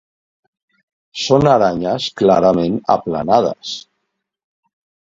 Són aranyes clarament aplanades.